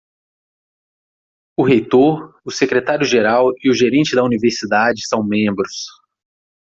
O reitor, o secretário geral e o gerente da universidade são membros.